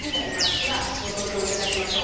ではご登場頂きましょう。